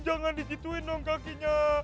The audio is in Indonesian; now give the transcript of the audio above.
jangan dikituin dong kakinya